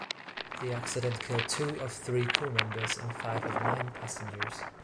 The accident killed two of three crewmembers and five of nine passengers.